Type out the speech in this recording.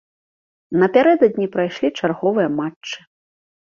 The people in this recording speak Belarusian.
Напярэдадні прайшлі чарговыя матчы.